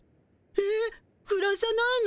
ええくらさないの？